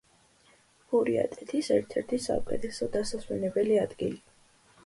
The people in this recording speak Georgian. ბურიატეთის ერთ-ერთი საუკეთესო დასასვენებელი ადგილი.